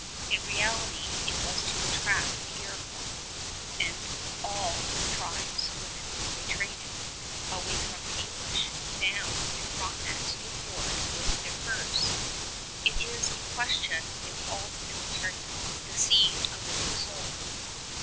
In reality, it was to attract the Iroquois, and all the tribes with whom they traded, away from the English, down to Frontenac's new fort with their furs. It is a question if all the military pomp deceived a living soul.